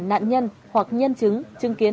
nạn nhân hoặc nhân chứng chứng kiến